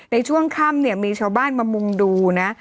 ในช่วงค่ำเนี่ยมีชาวบ้านมามุ่งดูนะ